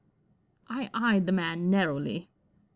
I eyed the man narrowly.